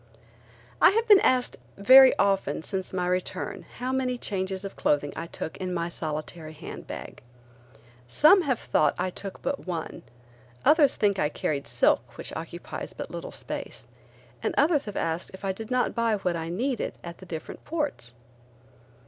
I have been asked very often since my return how many changes of clothing I took in my solitary hand bag. Some have thought I took but one; others think I carried silk which occupies but little space, and others have asked if I did not buy what I needed at the different ports.